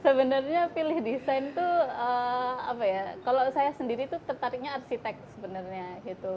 sebenarnya pilih desain tuh apa ya kalau saya sendiri tuh tertariknya arsitek sebenarnya gitu